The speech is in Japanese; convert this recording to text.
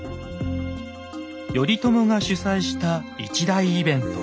頼朝が主催した一大イベント